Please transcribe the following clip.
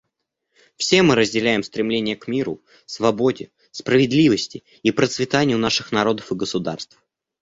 Все мы разделяем стремление к миру, свободе, справедливости и процветанию наших народов и государств.